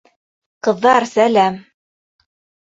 Ҡыҙҙар, сәләм!